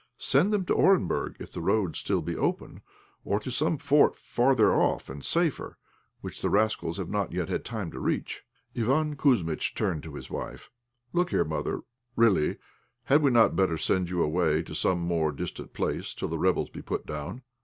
Send them to Orenburg, if the road be still open, or to some fort further off and safer, which the rascals have not yet had time to reach." Iván Kouzmitch turned to his wife. "Look here, mother, really, had we not better send you away to some more distant place till the rebels be put down?"